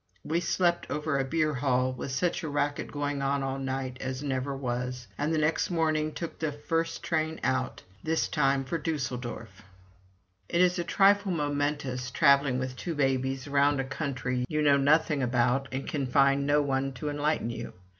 We slept over a beer hall, with such a racket going on all night as never was; and next morning took the first train out this time for Düsseldorf. It is a trifle momentous, traveling with two babies around a country you know nothing about, and can find no one to enlighten you.